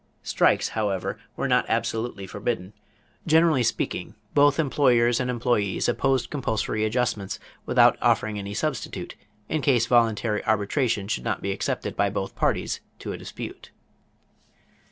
Strikes, however, were not absolutely forbidden. Generally speaking, both employers and employees opposed compulsory adjustments without offering any substitute in case voluntary arbitration should not be accepted by both parties to a dispute.